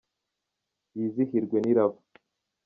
Yizihirwe n’iraba